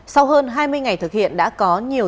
sau hơn hai mươi ngày thực hiện đã có nhiều